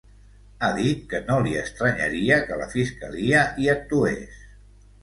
Ha dit que no li estranyaria que la fiscalia hi actués.